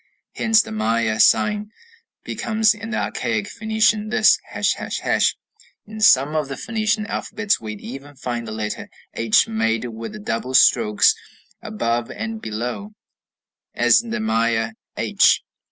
Hence the Maya sign becomes in the archaic Phoenician this, ###. In some of the Phoenician alphabets we even find the letter h made with the double strokes above and below, as in the Maya h.